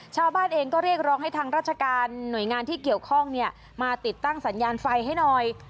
ชาวบ้านเองก็เรียกร้องให้ทางราชการหน่วยงานที่เกี่ยวข้องมาติดตั้งสัญญาณไฟให้หน่อย